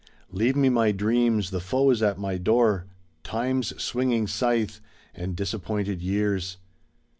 Leave me my dreams, the foe is at my door. Time's swinging scythe, and disappointed years.